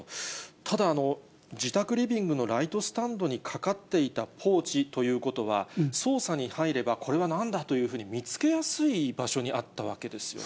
ただ、自宅リビングのライトスタンドにかかっていたポーチということは、捜査に入れば、これはなんだというふうに見つけやすい場所にあったわけですよね。